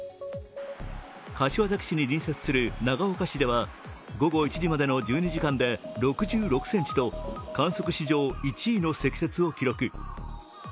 柏崎市に隣接する長岡市では午後１時までの１２時間で６６ｃｍと観測史上１位の積雪を記録。